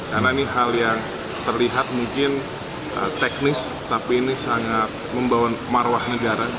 karena ini hal yang terlihat mungkin teknis tapi ini sangat membawa maruah negara